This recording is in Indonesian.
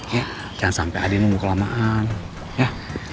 iya jangan sampe adi nunggu kelamaan ya